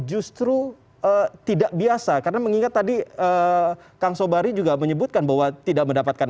justru tidak biasa karena mengingat tadi kang sobari juga menyebutkan bahwa tidak mendapatkan